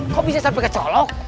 kok bisa sampai kecolok